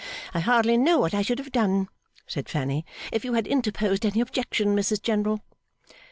I hardly know what I should have done,' said Fanny, 'if you had interposed any objection, Mrs General.